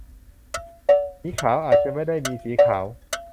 หมีขาว อาจจะไม่ได้มีสีขาว